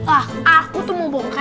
aku tuh mau bongkar